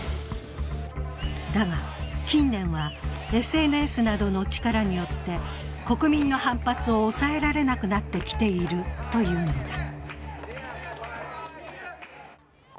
だが、近年はＳＮＳなどの力によって国民の反発を抑えられなくなってきているというのだ。